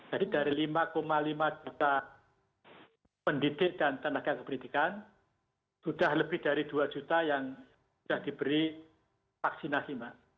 jadi dari lima lima juta pendidikan dan tenaga keberdikan sudah lebih dari dua juta yang sudah diberi vaksinasi